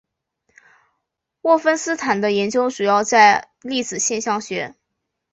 沃芬斯坦的研究主要在粒子现象学。